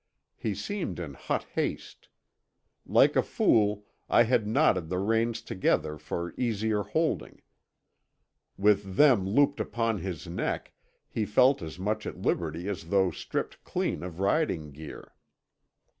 He seemed in hot haste. Like a fool I had knotted the reins together for easier holding; with them looped upon his neck he felt as much at liberty as though stripped clean of riding gear.